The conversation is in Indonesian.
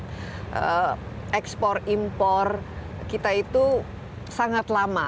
sehingga membuat ekspor impor kita itu sangat lama